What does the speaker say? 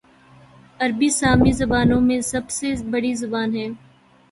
عربی سامی زبانوں میں سب سے بڑی زبان ہے